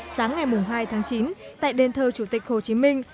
sáng ngày hai tháng chín tại đền thờ chủ tịch hồ chí minh